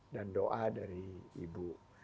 dan doa dari ibu